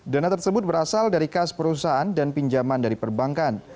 dana tersebut berasal dari kas perusahaan dan pinjaman dari perbankan